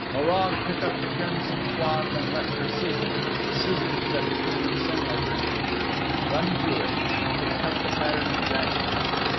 Morag took up the crimson doth and let her scissors the scissors that the Queen of Senlabor gave her run through it. It cut out the pattern exactly.